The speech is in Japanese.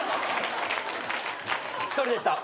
一人でした。